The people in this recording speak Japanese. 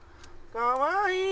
かわいい！